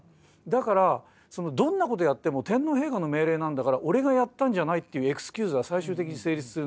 だからどんなことやっても天皇陛下の命令なんだから俺がやったんじゃないっていうエクスキューズが最終的に成立するんですよ。